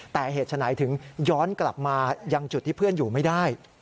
แต่เหตุฉะไหนถึงย้อนกลับมายังจุดที่เพื่อนอยู่ไม่ได้